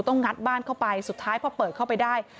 งัดบ้านเข้าไปสุดท้ายพอเปิดเข้าไปได้